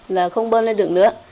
là không bơm lên được nữa